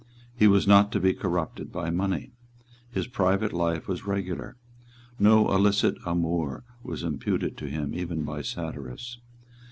He was not to be corrupted by money. His private life was regular. No illicit amour was imputed to him even by satirists.